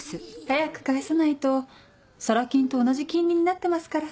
早く返さないとサラ金と同じ金利になってますから。